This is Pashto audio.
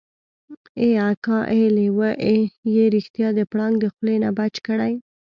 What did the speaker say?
ای اکا ای لېوه يې رښتيا د پړانګ د خولې نه بچ کړی.